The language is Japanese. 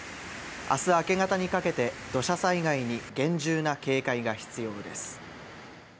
明日明け方にかけて土砂災害に厳重な警戒が必要です。